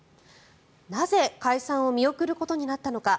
なぜ解散を見送ることになったのか。